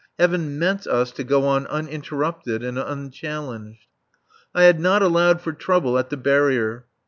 Heaven meant us to go on uninterrupted and unchallenged. I had not allowed for trouble at the barrier.